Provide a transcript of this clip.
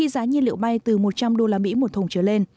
giảm năm mươi usd một thùng trở lên